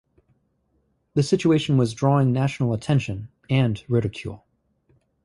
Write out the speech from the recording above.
The situation was drawing national attention, and ridicule.